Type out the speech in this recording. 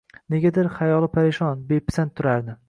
Negadir, xayoli parishon, bepisand turardi